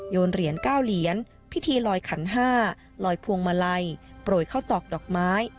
เหรียญ๙เหรียญพิธีลอยขัน๕ลอยพวงมาลัยโปรยเข้าตอกดอกไม้